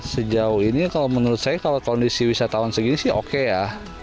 sejauh ini kalau menurut saya kalau kondisi wisatawan segini sih oke ya